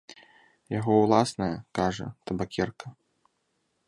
Яго ўласная, кажа, табакерка!